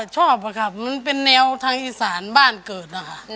ชอบค่ะมันเป็นแนวทางอิสล์บ้านเกิด